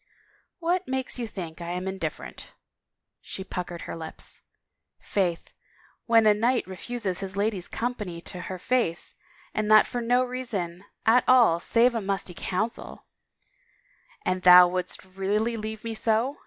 " What makes you think I am indifferent ?" She puckered her lips. " Faith, when a knight refuses his lady's company to her face and that for jio reason at all save a musty Council —" "And thou wouldst really leave me so?"